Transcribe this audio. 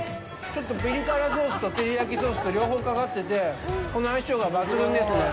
ちょっとピリ辛ソースと、照り焼きソースと、両方かかってて、この相性が抜群ですね。